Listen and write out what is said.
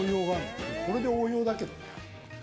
これで応用だけどね。